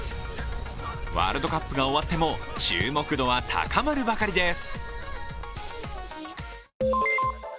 ワールドカップが終わっても、注目度は高まるばかりです。